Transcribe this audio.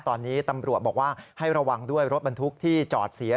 ตอนนี้ตำรวจบอกว่าให้ระวังด้วยรถบรรทุกที่จอดเสีย